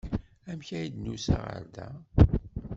Amek ay d-nusa ɣer da?